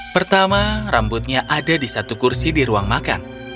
pertama rambutnya ada di satu kursi di ruang makan